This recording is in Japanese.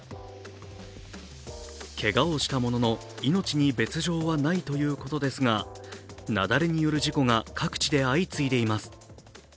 けがをしたものの命に別状はないということですが雪崩による事故が各地で相次いでいます。